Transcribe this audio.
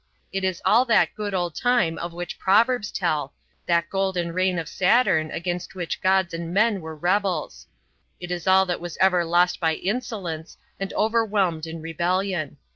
It is all that good old time of which proverbs tell, that golden reign of Saturn against which gods and men were rebels. It is all that was ever lost by insolence and overwhelmed in rebellion.